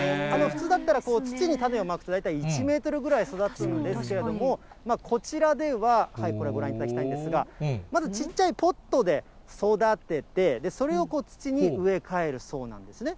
普通だったら土に種をまくと、大体１メートルぐらい育つんですけれども、こちらではこれ、ご覧いただきたいんですが、まずちっちゃいポットで育てて、それを土に植え替えるそうなんですね。